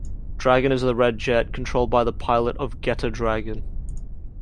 Dragon is the red jet, controlled by the pilot of Getter Dragon.